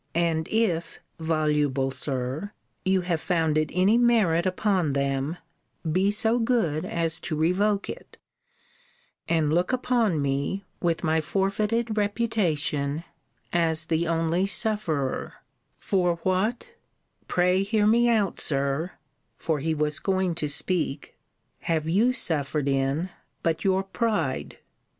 And if, voluble Sir, you have founded any merit upon them, be so good as to revoke it: and look upon me, with my forfeited reputation, as the only sufferer For what pray hear me out, Sir [for he was going to speak] have you suffered in but your pride?